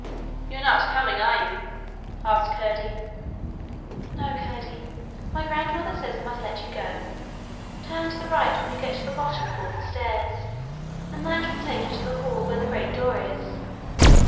'You're not coming, are you?' asked Curdie. 'No, Curdie; my grandmother says I must let you go. Turn to the right when you get to the bottom of all the stairs, and that will take you to the hall where the great door is.'